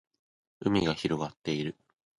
海が広がっている